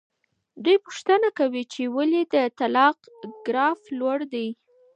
دوی پوښتنه کوي چې ولې د طلاق ګراف لوړ دی.